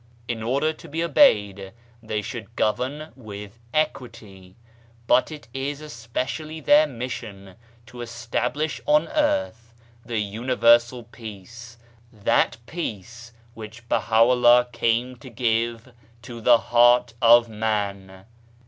In order to be obeyed they should govern with equity : but it is especially their mission to establish on earth the Universal Peace, that Peace which Baha'u'llah came to give to the heart of Man.